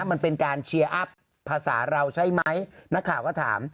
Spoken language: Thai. มันเป็นการเชียร์อัพภาษาเราใช่ไหมนักข่าวก็ถาม